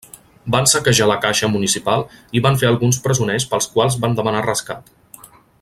Van saquejar la caixa municipal i van fer alguns presoners pels quals van demanar rescat.